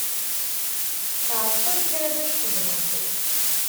Tɛeṭṭel kra bac tewweḍ-d.